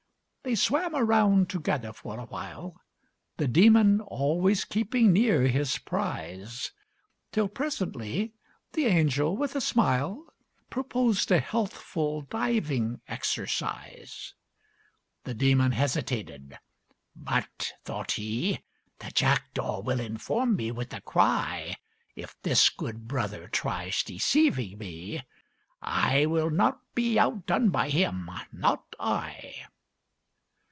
They swam around together for a while, The demon always keeping near his prize, Till presently the angel, with a smile, Proposed a healthful diving exercise. The demon hesitated. "But," thought he, "The jackdaw will inform me with a cry If this good brother tries deceiving me; I will not be outdone by him not I!"